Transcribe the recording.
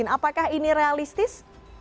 apakah ini realistis